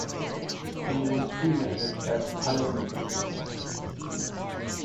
He was cremated at Islington.